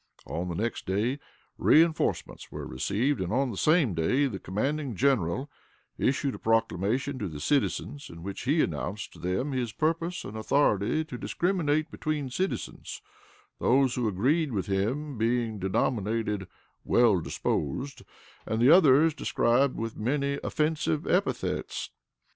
On the next day, reënforcements were received; and, on the same day, the commanding General issued a proclamation to the citizens, in which he announced to them his purpose and authority to discriminate between citizens, those who agreed with him being denominated "well disposed," and the others described with many offensive epithets.